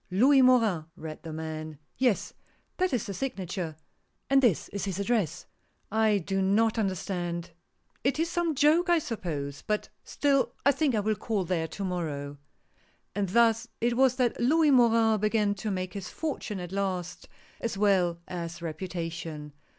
" Louis Morin," read the man. " Yes, that is the signature — and this is his address. I do not under stand. It is some joke I suppose ; but still I think I will call there to morrow." And thus it was that Louis Morin began to make his fortune at last, as well as reputation.